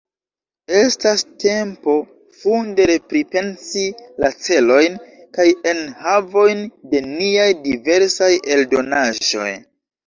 Estas tempo funde repripensi la celojn kaj enhavojn de niaj diversaj eldonaĵoj.